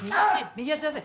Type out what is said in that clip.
右足出せ。